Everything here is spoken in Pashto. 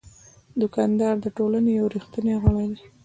دوکاندار د ټولنې یو ریښتینی غړی دی.